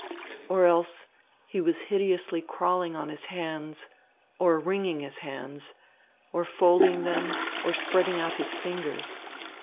Or else he was hideously crawling on his hands, or wringing his hands, or folding them, or spreading out his fingers.